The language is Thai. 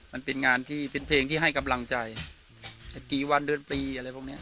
มันเป็นเพลงที่ให้กำลังใจกี่วันเดือนปี